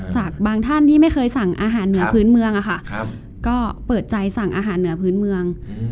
จากบางท่านที่ไม่เคยสั่งอาหารเหนือพื้นเมืองอะค่ะก็เปิดใจสั่งอาหารเหนือพื้นเมือง